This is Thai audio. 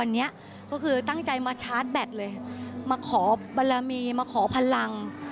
อันนี้ก็คือตั้งใจมาชาร์จแบตเลยมาขอบรมีมาขอพลัง